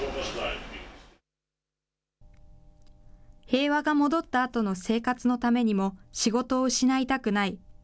平和が戻ったあとの生活のためにも、仕事を失いたくない。